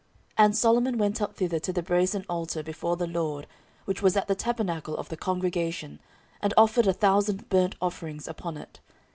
14:001:006 And Solomon went up thither to the brasen altar before the LORD, which was at the tabernacle of the congregation, and offered a thousand burnt offerings upon it.